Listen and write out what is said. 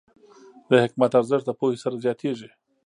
د حکمت ارزښت د پوهې سره زیاتېږي.